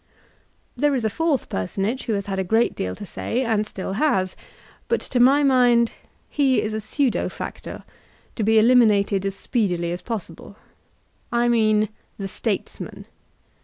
There is a fourth personage who has had a great deal to say, and still has; but to my mind he is a pseudo factor, to be eliminated as speedily as possible. I mean the "Statesman.''